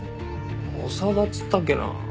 長田っつったっけな。